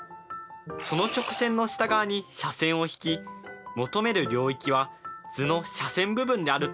その直線の下側に斜線を引き「求める領域は図の斜線部分である」と書きます。